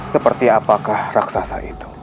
seperti apakah raksasa itu